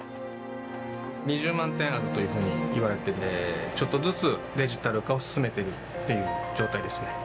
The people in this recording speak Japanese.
２０万点あるというふうにいわれててちょっとずつデジタル化を進めてるっていう状態ですね。